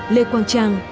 lê quang trang